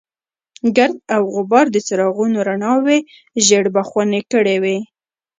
ګرد او غبار د څراغونو رڼاوې ژېړ بخونې کړې وې.